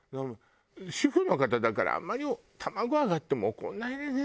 主婦の方だからあんまり卵上がっても怒んないでね